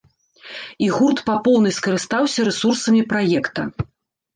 І гурт па поўнай скарыстаўся рэсурсамі праекта.